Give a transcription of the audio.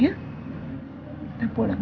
kita harus pulang